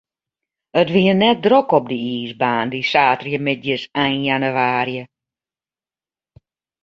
It wie net drok op de iisbaan, dy saterdeitemiddeis ein jannewaarje.